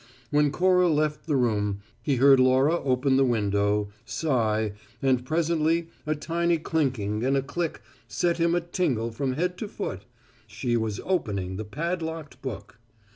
When Cora left the room, he heard Laura open the window, sigh, and presently a tiny clinking and a click set him a tingle from head to foot: she was opening the padlocked book.